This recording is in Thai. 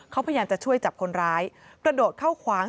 เขาพยายามจะช่วยจับคนร้ายกระโดดเข้าคว้าง